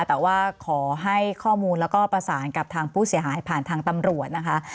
แต่ว่าขอให้ข้อมูลแล้วก็ประสานกับทางผู้เสียหายผ่านทางตำรวจนะคะ